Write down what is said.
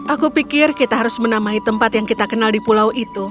aku pikir kita harus menamai tempat yang kita kenal di pulau itu